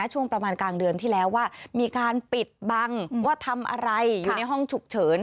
ช่วงประมาณกลางเดือนที่แล้วว่ามีการปิดบังว่าทำอะไรอยู่ในห้องฉุกเฉิน